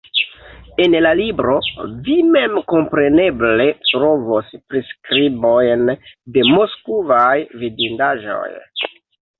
En la libro vi memkompreneble trovos priskribojn de moskvaj vidindaĵoj.